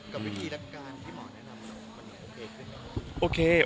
แล้ววิธีรักการที่หมอแนะนำคุณเพราะไงโอเคขึ้น